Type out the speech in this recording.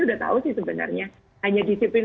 udah tahu sih sebenarnya hanya disiplin